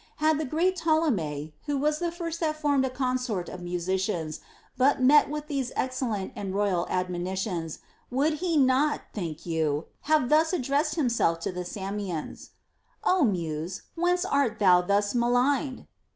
Had the great Ptolemy, who was the first that formed a consort of musicians, but met with these excel lent and royal admonitions, would he not, think you, have thus addressed himself to the Samians : O Muse, whence art tliou thus maligned